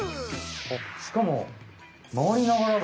しかもまわりながらだ。